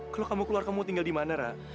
kalau kamu keluar kamu tinggal dimana ratu